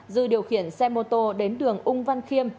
dư điều khiển xe mô tô đến đường ung văn khiêm